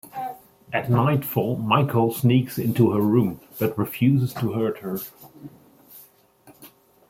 At nightfall Michael sneaks into her room, but refuses to hurt her.